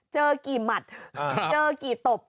เจอกี่หมัดเจอกี่ตบ